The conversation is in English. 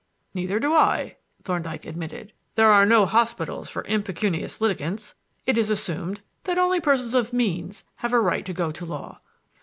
"Neither do I," Thorndyke admitted. "There are no hospitals for impecunious litigants; it is assumed that only persons of means have a right to go to law.